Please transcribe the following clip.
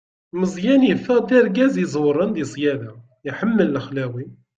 Meẓyan yeffeɣ-d d argaz iẓewren di ṣṣyada, iḥemmel lexlawi.